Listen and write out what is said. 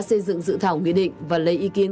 xây dựng dự thảo nghị định và lấy ý kiến